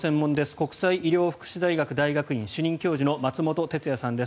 国際医療福祉大学大学院主任教授の松本哲哉さんです。